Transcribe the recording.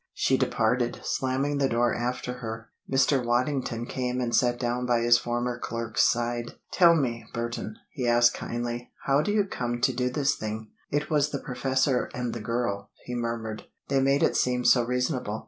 She departed, slamming the door after her. Mr. Waddington came and sat down by his former clerk's side. "Tell me, Burton," he asked kindly, "how did you come to do this thing?" "It was the professor and the girl," he murmured. "They made it seem so reasonable."